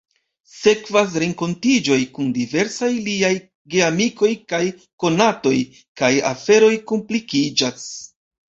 Sekvas renkontiĝoj kun diversaj liaj geamikoj kaj konatoj, kaj aferoj komplikiĝas.